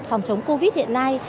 phòng chống covid hiện nay